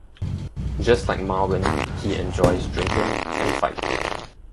Just like Marwin, he enjoys drinking and fighting.